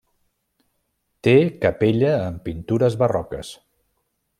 Té capella amb pintures barroques.